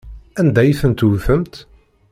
Anda ay tent-tewtemt?